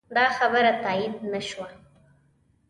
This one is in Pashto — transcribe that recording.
دا خبره تایید نه شوه.